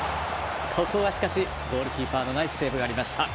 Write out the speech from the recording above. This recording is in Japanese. ここはしかし、ゴールキーパーのナイスセーブがありました。